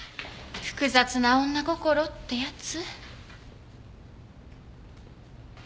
複雑な女心ってやつ？